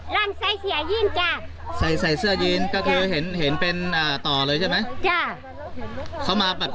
ร่างใส่เสื้อยีนจ้ะ